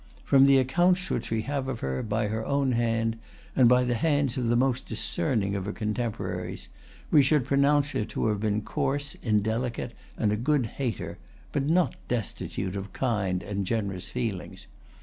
From the accounts which we have of her, by her own hand, and by the hands of the most discerning of her contemporaries, we should pronounce her to have been coarse, indelicate, and a good hater, but not destitute of kind and generous feelings.